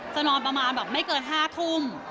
นอนประมาณแบบไม่เกิน๕ทุ่ม